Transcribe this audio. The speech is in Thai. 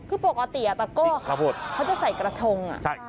คือปกติตะโก้เขาจะใส่กระทง